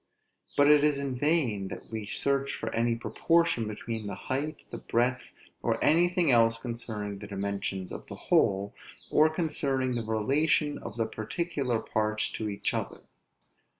but it is in vain that we search here for any proportion between the height, the breadth, or anything else concerning the dimensions of the whole, or concerning the relation of the particular parts to each other.